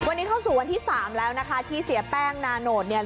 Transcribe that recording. วันนี้เข้าสู่วันที่๓แล้วนะคะที่เสียแป้งนาโนตเนี่ย